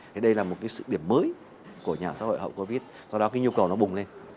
thì đây là một cái sự điểm mới của nhà xã hội hậu covid do đó cái nhu cầu nó bùng lên